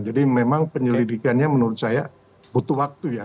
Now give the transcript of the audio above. jadi memang penyelidikannya menurut saya butuh waktu ya